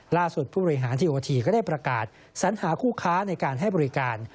ผู้บริหารทีโอทีก็ได้ประกาศสัญหาคู่ค้าในการให้บริการ